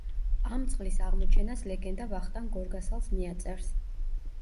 ამ წყლის აღმოჩენას ლეგენდა ვახტანგ გორგასალს მიაწერს.